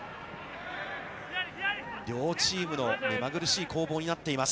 両チームの目まぐるしい攻防になっています。